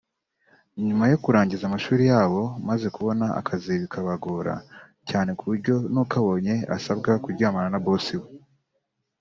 nyuma yo kurangiza amashuri yabo maze kubona akazi bikabagora cyane kuburyo n’ukabonye asabwa kuryamana na boss we